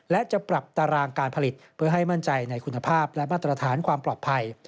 และจะปรับตารางการผลิตเพื่อให้มั่นใจในคุณภาพและมาตรฐานความปลอดภัย